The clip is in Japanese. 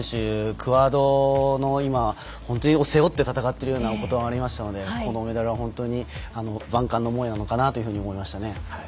クアードの今本当に背負って戦っているようなことがありましたのでこのメダルは本当に万感の思いなのかなと思いましたね。